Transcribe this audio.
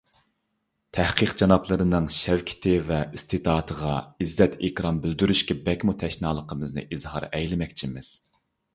تەھقىق جانابلىرىنىڭ شەۋكىتى ۋە ئىستېداتىغا ئىززەت - ئىكرام بىلدۈرۈشكە بەكمۇ تەشنالىقىمىزنى ئىزھار ئەيلىمەكچىمىز.